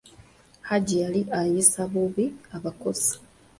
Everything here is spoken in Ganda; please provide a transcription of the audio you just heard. Hajji yali ayisa bubi abakozi.